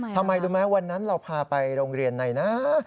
ทำไมรู้ไหมวันนั้นเราพาไปโรงเรียนไหนนะ